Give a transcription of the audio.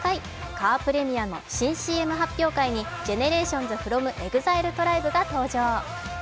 カープレミアの新ＣＭ発表会にＧＥＮＥＲＡＴＩＯＮＳｆｒｏｍＥＸＩＬＥＴＲＩＢＥが登場。